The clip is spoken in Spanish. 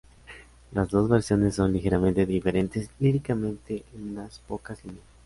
Las dos versiones son ligeramente diferentes líricamente en unas pocas líneas.